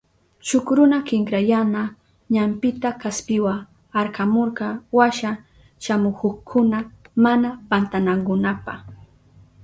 Shuk runa kinkrayana ñampita kaspiwa arkamurka washa shamuhukkuna mana pantanankunapa.